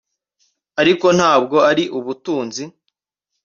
ariko ntabwo ari ubutunzi